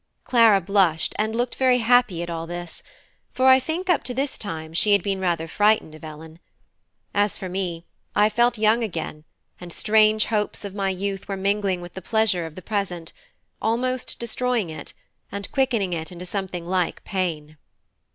Clara blushed and looked very happy at all this; for I think up to this time she had been rather frightened of Ellen. As for me I felt young again, and strange hopes of my youth were mingling with the pleasure of the present; almost destroying it, and quickening it into something like pain.